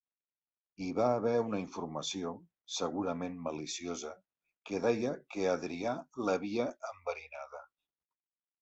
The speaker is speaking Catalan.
Hi va haver una informació, segurament maliciosa, que deia que Adrià l'havia enverinada.